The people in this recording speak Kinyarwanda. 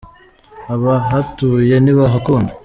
abahatuye ntibahakunda